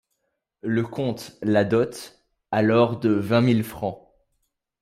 Le comte la dote alors de vingt mille francs.